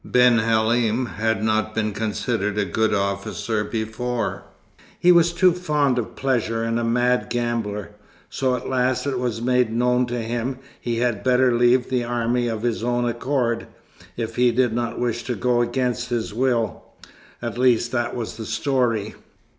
Ben Halim had not been considered a good officer before. He was too fond of pleasure, and a mad gambler; so at last it was made known to him he had better leave the army of his own accord if he did not wish to go against his will; at least, that was the story."